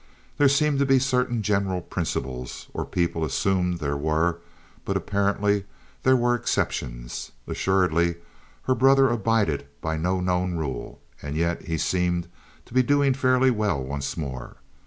There seemed to be certain general principles—or people assumed there were—but apparently there were exceptions. Assuredly her brother abided by no known rule, and yet he seemed to be doing fairly well once more.